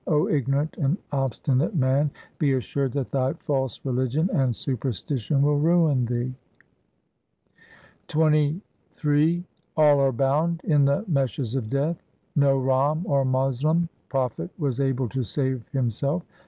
O ignorant and obstinate man, be assured that thy false religion and superstition will ruin thee. COMPOSITIONS OF GURU GOBIND SINGH 321 XXIII All are bound in the meshes of Death ; no Ram or Moslem prophet was able to save himself.